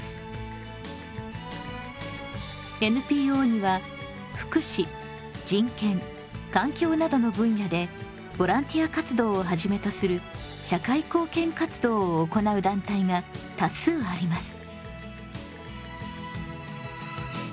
ＮＰＯには福祉人権環境などの分野でボランティア活動をはじめとする社会貢献活動を行う団体が多数あります。